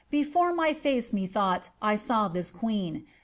Before my face me tbought I saw this queen.